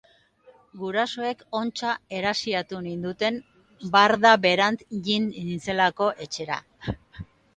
Gurasoek ontsa erasiatu ninduten barda berant jin nintzelako etxera!